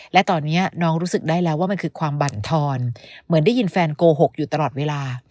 และตอนนี้น้องรู้สึกได้แล้วว่ามันคือความบั่นทอนเหมือนได้ยินแฟนโกหกอยู่ตลอดเวลา